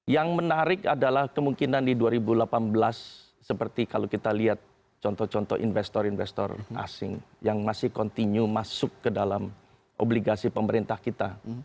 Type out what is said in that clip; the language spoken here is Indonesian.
yang menarik adalah kemungkinan di dua ribu delapan belas seperti kalau kita lihat contoh contoh investor investor asing yang masih continue masuk ke dalam obligasi pemerintah kita